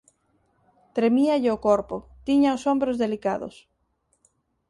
Tremíalle o corpo, tiña os ombros delicados.